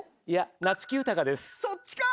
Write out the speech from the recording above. そっちか。